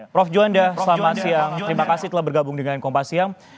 prof juanda selamat siang terima kasih telah bergabung dengan kompas siang